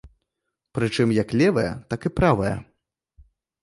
Прычым як левая, так і правая.